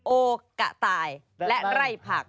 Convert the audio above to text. โอกะตายและไร่ผัก